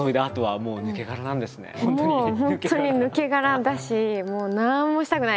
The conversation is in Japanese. もう本当に抜け殻だしもう何もしたくない！みたいな。